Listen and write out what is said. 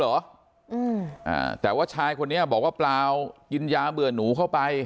เหรออืมอ่าแต่ว่าชายคนนี้บอกว่าเปล่ากินยาเบื่อหนูเข้าไป